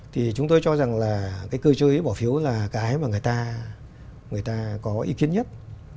thì chúng tôi cho rằng là cái cơ chế bỏ phiếu là cái mà người ta người ta có ý kiến nhất